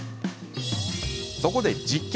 そこで実験。